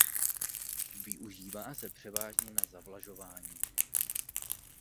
Využívá se převážně na zavlažování.